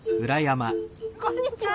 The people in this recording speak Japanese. こんにちは。